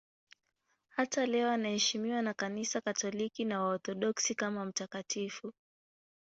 Hata leo anaheshimiwa na Kanisa Katoliki na Waorthodoksi kama mtakatifu.